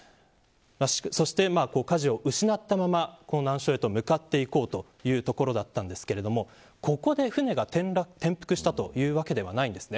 そしてかじを失ったまま難所へと向かっていこうというところだったんですけどここで舟が転覆したというわけではないんです。